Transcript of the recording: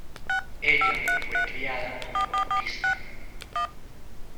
Ella fue criada como bautista.